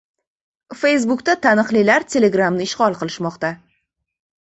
Feysbukda taniqlilar telegramni ishgʻol qilishmoqda.